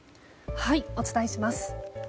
お伝えします。